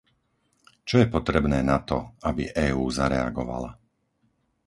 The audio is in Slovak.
Čo je potrebné na to, aby EÚ zareagovala?